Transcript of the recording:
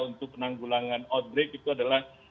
untuk penanggulangan outbreak itu adalah